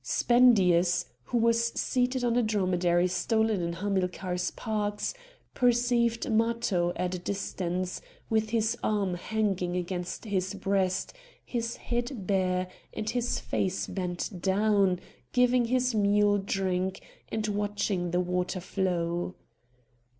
Spendius, who was seated on a dromedary stolen in Hamilcar's parks, perceived Matho at a distance, with his arm hanging against his breast, his head bare, and his face bent down, giving his mule drink, and watching the water flow.